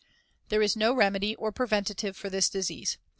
] There is no remedy or preventive for this disease.